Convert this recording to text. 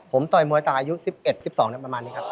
ผมต่อยมวยต่างอายุ๑๑๑๒ประมาณนี้ครับ